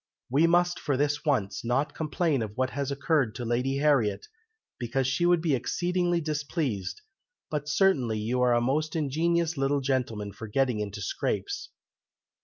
"We must for this once, not complain of what has occurred to Lady Harriet, because she would be exceedingly displeased, but certainly you are a most ingenious little gentleman for getting into scrapes!"